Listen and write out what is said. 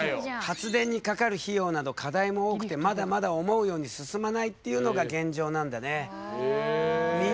発電にかかる費用など課題も多くてまだまだ思うように進まないっていうのが現状なんだね。